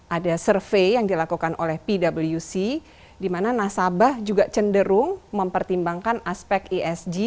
ada survei yang dilakukan oleh pwc di mana nasabah juga cenderung mempertimbangkan aspek esg